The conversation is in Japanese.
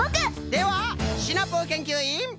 ではシナプーけんきゅういん！